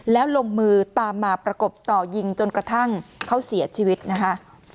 แล้วลงมือตามมาประกบต่อยิงจนกระทั่งเขาเสียชีวิตนะคะ